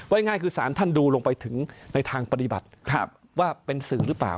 ง่ายคือสารท่านดูลงไปถึงในทางปฏิบัติว่าเป็นสื่อหรือเปล่า